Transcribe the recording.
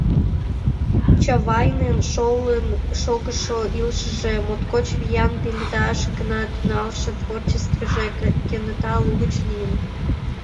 Чавайнын шолын шогышо илышыже, моткоч виян пеледаш гына тӱҥалше творчествыже кенета лугыч лийын.